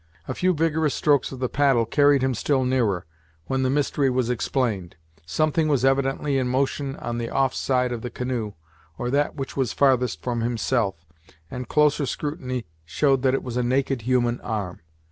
A few vigorous strokes of the paddle carried him still nearer, when the mystery was explained. Something was evidently in motion on the off side of the canoe, or that which was farthest from himself, and closer scrutiny showed that it was a naked human arm.